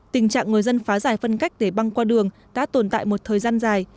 tình trạng người dân phá giải phân cách để băng qua đường đã tồn tại một thời gian dài